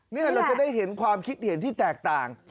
นี่เราจะได้เห็นความคิดเห็นที่แตกต่าง